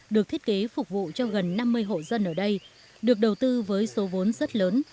được thiết kế phục vụ cho gần năm mươi hộ dân ở đây được đầu tư với số vốn rất lớn